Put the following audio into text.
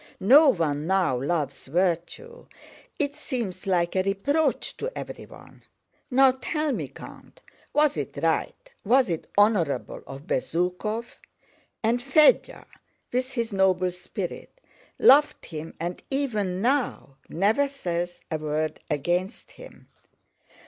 No one now loves virtue; it seems like a reproach to everyone. Now tell me, Count, was it right, was it honorable, of Bezúkhov? And Fédya, with his noble spirit, loved him and even now never says a word against him.